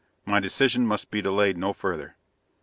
My decision must be delayed no further.